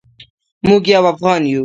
موږ یو افغان یو.